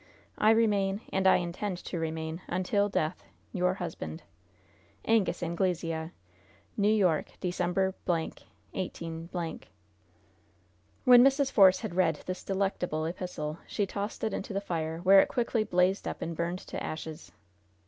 I remain, and I intend to remain, until death, your husband, Angus Anglesea. "New York, December , 18 ." When Mrs. Force had read this delectable epistle, she tossed it into the fire, where it quickly blazed up and burned to ashes.